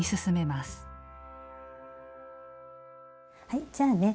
はいじゃあね